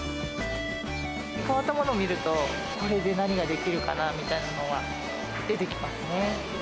変わったものを見ると、これで何ができるかな？みたいなのは出てきますね。